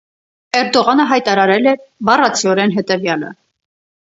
Էրդողանը հայտարարել է, բառացիորեն, հետևյալը։